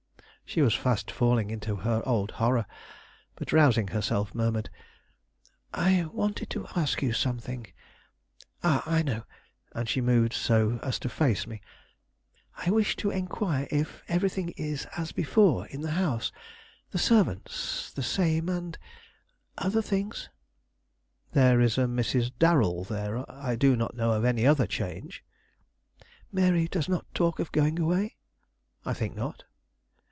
She was fast falling into her old horror; but rousing herself, murmured: "I wanted to ask you something; ah, I know" and she moved so as to face me. "I wish to inquire if everything is as before in the house; the servants the same and and other things?" "There is a Mrs. Darrell there; I do not know of any other change." "Mary does not talk of going away?" "I think not."